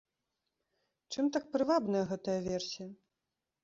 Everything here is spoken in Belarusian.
Чым так прывабная гэтая версія?